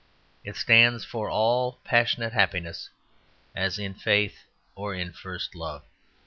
It stands for all passionate happiness, as in faith or in first love.